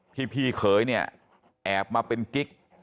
พี่เขยเนี่ยแอบมาเป็นกิ๊ก